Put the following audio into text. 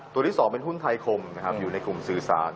ตัวที่๒เป็นหุ้นไทยคมนะครับอยู่ในกลุ่มสื่อสาร